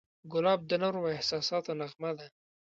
ګلاب د نرمو احساساتو نغمه ده.